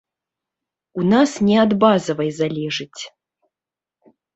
У нас не ад базавай залежыць.